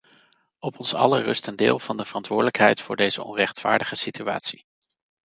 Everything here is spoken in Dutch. Op ons allen rust een deel van de verantwoordelijkheid voor deze onrechtvaardige situatie.